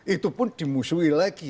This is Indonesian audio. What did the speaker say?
itu pun dimusuhi lagi